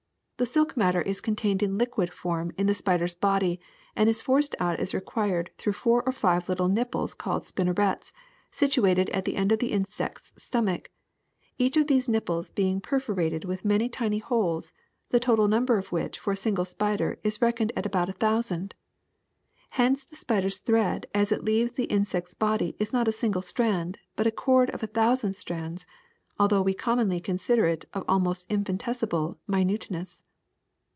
The silk matter is contained in liquid form in the spider's body and is forced out as required through four or five little nipples called spinnerets, situated at the end of the insect's stomach, each of these nipples being perfo rated with many tiny holes, the total number of which for a single spider is reckoned at about a thousand. Hence the spider's thread as it leaves the insect's body is not a single strand, but a cord of a thousand strands, although we commonly consider it of almost infinitesimal minuteness.